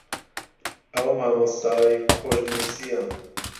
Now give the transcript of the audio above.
ئەو مامۆستای خۆشنووسییە